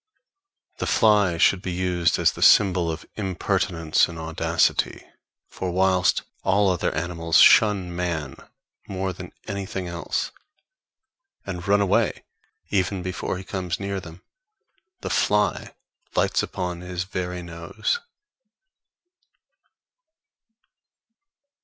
The fly should be used as the symbol of impertinence and audacity; for whilst all other animals shun man more than anything else, and run away even before he comes near them, the fly lights upon his very nose.